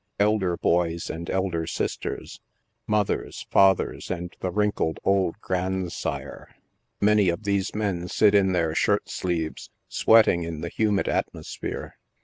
Elder boys and elder sisters. Mothers, fathers, and the wrinkled old grand sire. Many of these men sit in their shirt sleeves, sweating in the humid atmosphere.